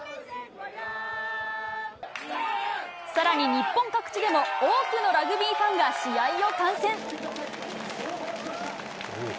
さらに日本各地でも、多くのラグビーファンが試合を観戦。